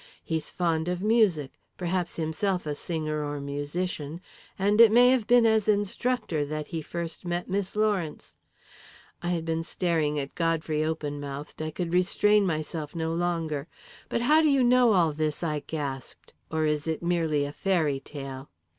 He's fond of music; perhaps himself a singer or musician, and it may have been as instructor that he first met Miss Lawrence " I had been staring at Godfrey open mouthed; I could restrain myself no longer. "But how do you know all this?" I gasped. "Or is it merely a fairy tale?"